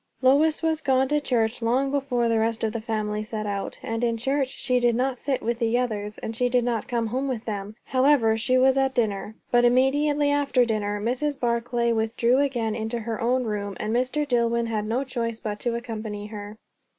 Lois was gone to church long before the rest of the family set out; and in church she did not sit with the others; and she did not come home with them. However, she was at dinner. But immediately after dinner Mrs. Barclay with drew again into her own room, and Mr. Dillwyn had no choice but to accompany her.